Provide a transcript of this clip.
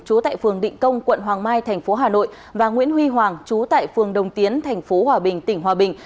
chú tại phường định công quận hoàng mai tp hà nội và nguyễn huy hoàng chú tại phường đồng tiến tp hòa bình tỉnh hòa bình